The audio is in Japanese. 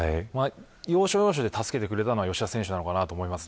要所要所で助けてくれたのは吉田選手だと思います。